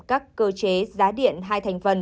các cơ chế giá điện hai thành phần